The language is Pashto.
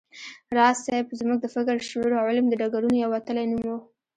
راز صيب زموږ د فکر، شعور او علم د ډګرونو یو وتلی نوم و